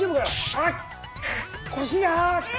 あっ腰が！え！